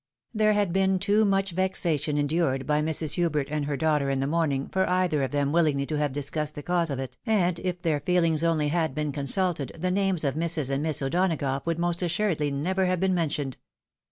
There had been too much vexation endured by Mrs. Hubert and her daughter in the morning, for either of them willingly to have discussed the cause of it, and if their feelings only had been consulted, the names of Mrs. and Miss O'Donagough would most assuredly never have been mentioned.